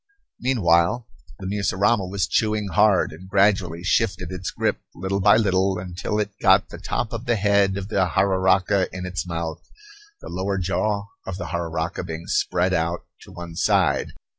Meanwhile the mussurama was chewing hard, and gradually shifted its grip, little by little, until it got the top of the head of the jararaca in its mouth, the lower jaw of the jararaca being spread out to one side.